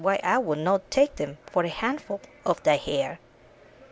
why, I would not Take them for a handful of thy hair!